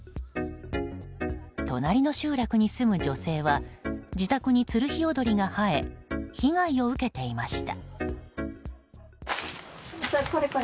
隣の集落に住む女性は自宅にツルヒヨドリが生え被害を受けていました。